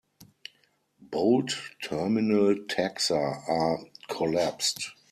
Bold terminal taxa are collapsed.